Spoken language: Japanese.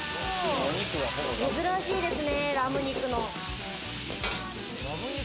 珍しいですね、ラム肉の。